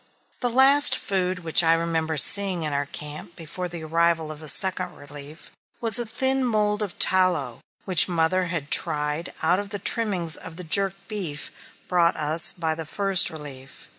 The last food which I remember seeing in our camp before the arrival of the Second Relief was a thin mould of tallow, which mother had tried out of the trimmings of the jerked beef brought us by the First Relief.